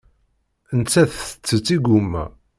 Nettat tettett igumma.